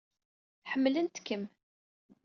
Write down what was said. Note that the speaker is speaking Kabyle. Ḥemmlent-kem!